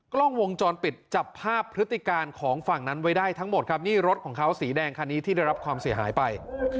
กล้องวงจรปิดจับภาพพฤติการของฝั่งนั้นไว้ได้ทั้งหมดครับนี่รถของเขาสีแดงคันนี้ที่ได้รับความเสียหายไป